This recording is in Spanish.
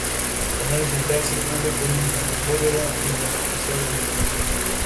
Las convenciones más grandes suelen tener una discoteca al menos por una noche.